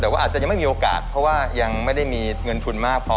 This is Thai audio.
แต่ว่าอาจจะยังไม่มีโอกาสเพราะว่ายังไม่ได้มีเงินทุนมากพอ